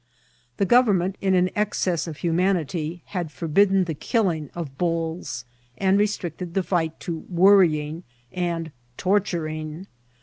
The government, in an excess of humanity, had forbidden the killing of bulls, and restricted the fight to worrying and torturing.